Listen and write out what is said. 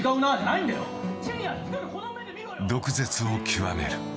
毒舌をきわめる。